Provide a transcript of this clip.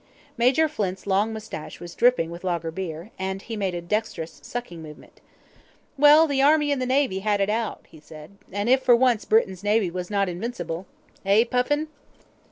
Major Flint's long moustache was dripping with Lager beer, and he made a dexterous, sucking movement. "Well, the Army and the Navy had it out," he said. "And if for once Britain's Navy was not invincible, eh, Puffin?"